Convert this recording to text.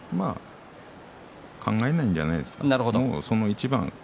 まあ考えないんじゃないですか。